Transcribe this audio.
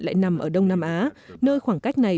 lại nằm ở đông nam á nơi khoảng cách này